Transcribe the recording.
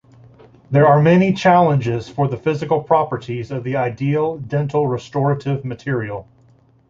There are many challenges for the physical properties of the ideal dental restorative material.